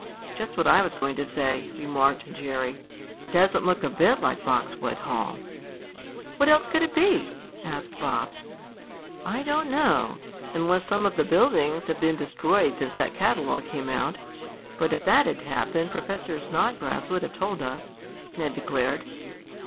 "Just what I was going to say," remarked Jerry. "It doesn't look a bit like Boxwood Hall." "What else could it be?" asked Bob. "I don't know, unless some of the buildings have been destroyed since that catalogue came out. But if that had happened Professor Snodgrass would have told us," Ned declared.